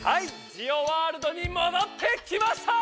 ジオワールドにもどってきました！